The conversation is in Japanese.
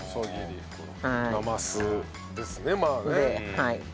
なますですねまあね。